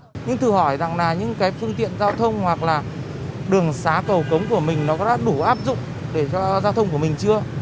anh phúc thử hỏi rằng là những cái phương tiện giao thông hoặc là đường xá cầu cống của mình nó có đủ áp dụng để cho giao thông của mình chưa